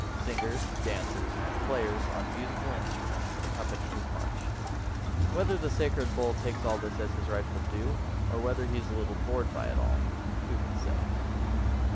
Singers, dancers, and players on musical instruments accompany his march. Whether the sacred bull takes all this as his rightful due, or whether he is a Uttle bored by it all, who can say?